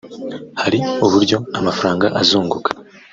Hari uburyo amafaranga azunguka